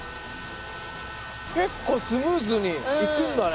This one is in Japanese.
結構スムーズにいくんだね。